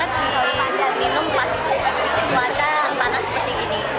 untuk minum pas cuaca panas seperti ini